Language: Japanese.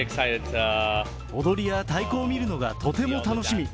踊りや太鼓を見るのがとても楽しみ。